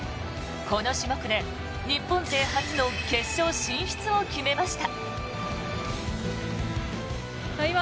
この種目で日本勢初の決勝進出を決めました。